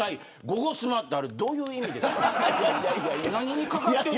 ゴゴスマってあれ、どういう意味ですか。